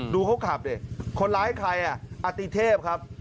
เขาขับดิคนร้ายใครอ่ะอติเทพครับ